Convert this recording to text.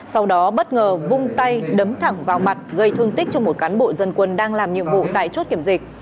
sau đó bất ngờ vung tay đấm thẳng vào mặt gây thương tích cho một cán bộ dân quân đang làm nhiệm vụ tại chốt kiểm dịch